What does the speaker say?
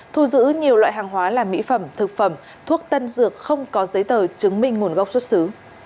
thu giữ nhiều loại hàng hóa là mỹ phẩm thực phẩm thuốc tân dược không có giấy tờ chứng minh nguồn gốc xuất xứ